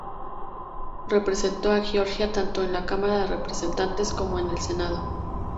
Representó a Georgia tanto en la Cámara de Representantes como en el Senado.